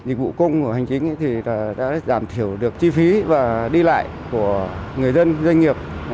dịch vụ công hành chính đã giảm thiểu được chi phí và đi lại của người dân doanh nghiệp